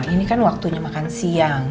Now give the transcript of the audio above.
ini kan waktunya makan siang